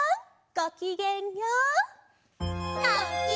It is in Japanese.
ごきげんよう！